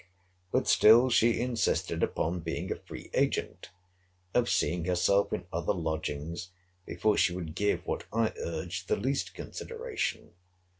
But still she insisted upon being a free agent; of seeing herself in other lodgings before she would give what I urged the least consideration.